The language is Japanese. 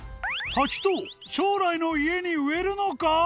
秣貽将来の家に植えるのか？